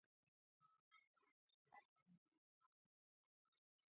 هګۍ کولی شي ستړیا کمه کړي.